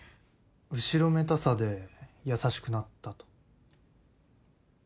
後ろめたさで優しくなったと？